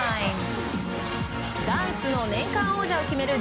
ダンスの年間王者を決める